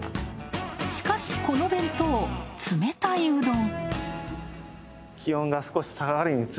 しかし、この弁当、冷たいうどん。